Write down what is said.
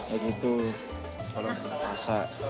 ya gitu kalau puasa